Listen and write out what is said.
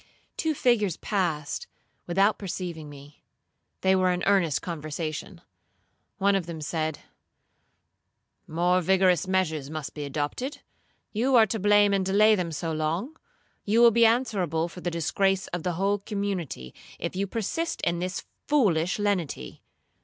Two figures passed, without perceiving me; they were in earnest conversation. One of them said, 'More vigorous measures must be adopted. You are to blame to delay them so long. You will be answerable for the disgrace of the whole community, if you persist in this foolish lenity.'